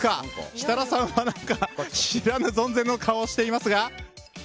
設楽さんは知らぬ存ぜぬの顔をしていますが。